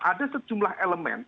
ada sejumlah elemen